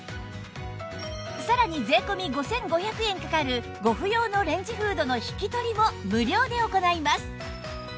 さらに税込５５００円かかるご不要のレンジフードの引き取りも無料で行います